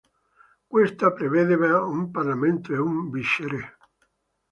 Questa prevedeva un parlamento e un viceré.